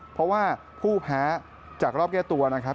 เพราะว่าผู้แพ้จากรอบแก้ตัวนะครับ